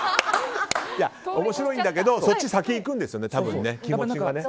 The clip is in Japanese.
面白いんだけど、そっち先にいくんですよね、気持ちが。